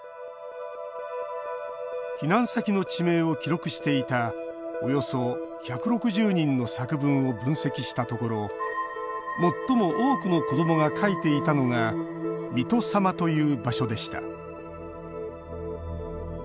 避難先の地名を記録していたおよそ１６０人の作文を分析したところ最も多くの子どもが書いていたのが「水戸様」という場所でした。